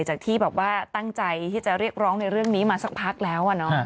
จากที่แบบว่าตั้งใจที่จะเรียกร้องในเรื่องนี้มาสักพักแล้ว